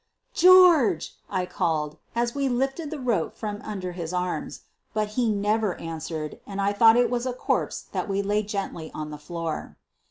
"George!" I called, as we lifted the rope from under his arms. But he never answered and I thought it was only a corpse that we laid gently on the floor.